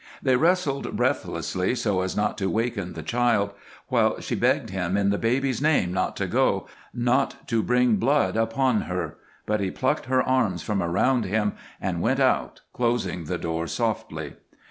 They wrestled breathlessly so as not to awaken the child, while she begged him in the baby's name not to go, not to bring blood upon her; but he plucked her arms from around him and went out, closing the door softly.